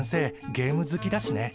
ゲーム好きだしね。